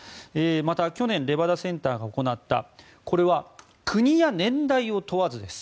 また、去年レバダ・センターが行ったこれは国や年代を問わずです